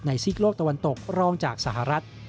ซีกโลกตะวันตกรองจากสหรัฐ